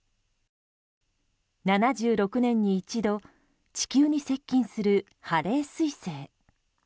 ７６年に一度地球に接近するハレー彗星。